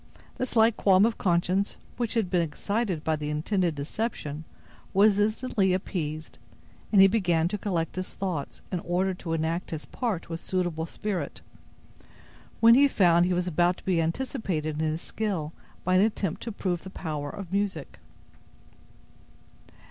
The slight qualm of conscience which had been excited by the intended deception was instantly appeased, and he began to collect his thoughts, in order to enact his part with suitable spirit, when he found he was about to be anticipated in his skill by an attempt to prove the power of music.